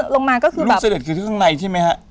ลูกเสด็จเป็นในใช่ไหมฮะ